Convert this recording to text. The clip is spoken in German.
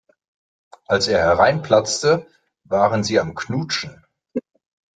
Als er hereinplatzte, waren sie am Knutschen.